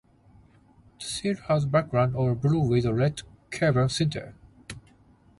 The shield has background of blue with a red chevron center.